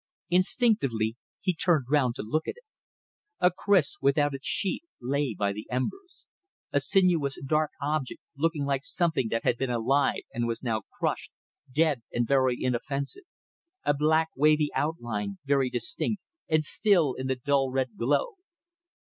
Instinctively he turned round to look at it. A kriss without its sheath lay by the embers; a sinuous dark object, looking like something that had been alive and was now crushed, dead and very inoffensive; a black wavy outline very distinct and still in the dull red glow.